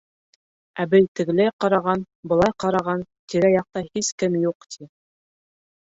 Әбей тегеләй ҡараған, былай ҡараған, тирә-яҡта һис кем юҡ, ти.